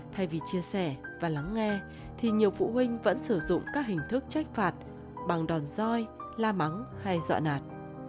thay vì chia sẻ và lắng nghe thì nhiều phụ huynh vẫn sử dụng các hình thức trách phạt bằng đòn roi la mắng hay dọa nạt